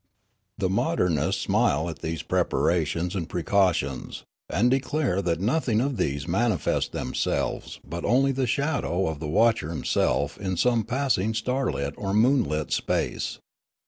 '' The modernists smile at these preparations and pre cautions, and declare that nothing of these manifest themselves, but only the shadow of the watcher him self in some passing starlit or moonlit space.